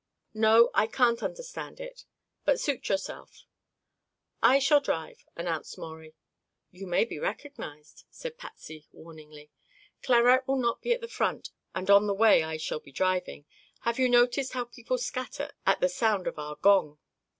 "No, I can't understand it. But suit yourself." "I shall drive," announced Maurie. "You may be recognized," said Patsy warningly. "Clarette will not be at the front, and on the way I shall be driving. Have you noticed how people scatter at the sound of our gong?"